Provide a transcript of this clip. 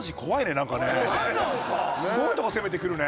すごいとこ攻めてくるね。